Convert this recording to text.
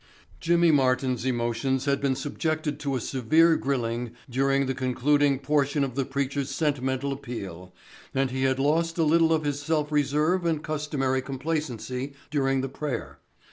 Jimmy Martin's emotions had been subjected to a severe grilling during the concluding portion of the preacher's sentimental appeal and he had lost a little of his self reserve and customary complacency during the prayer.